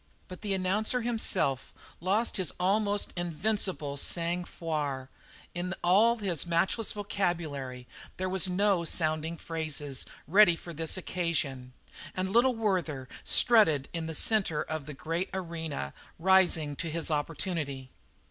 But the announcer himself lost his almost invincible sang froid; in all his matchless vocabulary there were no sounding phrases ready for this occasion, and little Werther strutted in the centre of the great arena, rising to his opportunity.